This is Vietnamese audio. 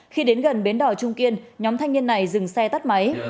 khi đến gần bến đỏ trung kiên nhóm thanh niên này dừng xe tắt máy